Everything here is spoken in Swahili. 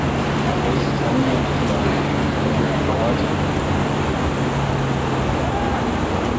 Rais Samia awaacha njia panda wafanyakazi Ongezeko la Mishahara Mei Mosi